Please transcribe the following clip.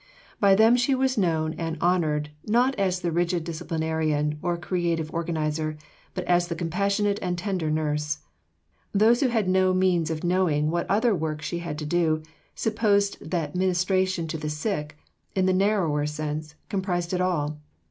By them she was known and honoured not as the rigid disciplinarian or creative organizer, but as the compassionate and tender nurse. Those who had no means of knowing what other work she had to do supposed that ministration to the sick, in the narrower sense, comprised it all.